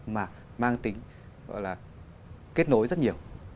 mà mang tính gọi là kết nối rất nhiều